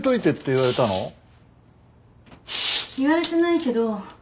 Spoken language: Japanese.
言われてないけど。